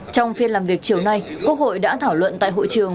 trong phiên làm việc chiều nay quốc hội đã thảo luận tại hội trường